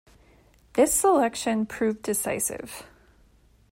This selection proved decisive.